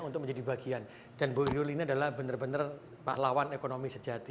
untuk menjadi bagian dan bu yuli ini adalah benar benar pahlawan ekonomi sejati